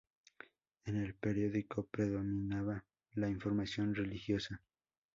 En el periódico predominaba la información religiosa.